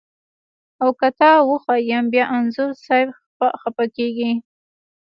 او که تا وښیم بیا انځور صاحب خپه کږي.